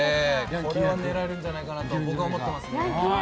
これは狙えるんじゃないかなと僕は思ってますね。